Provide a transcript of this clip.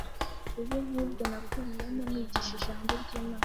bubi nkubwo nakuriyemo...nigisha ijambo ry’Imana